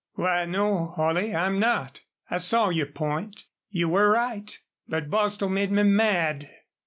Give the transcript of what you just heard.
"Why, no, Holley, I'm not. I saw your point. You were right. But Bostil made me mad."